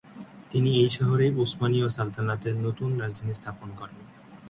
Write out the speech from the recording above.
তিনি এই শহরে উসমানীয় সালতানাতের নতুন রাজধানী স্থাপন করেন।